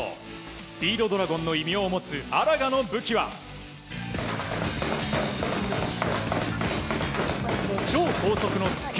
スピードドラゴンの異名を持つ荒賀の武器は超高速の突き。